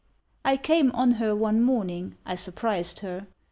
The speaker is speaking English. I came on her one morning—I surprised her.